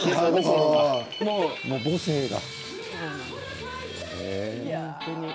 母性が。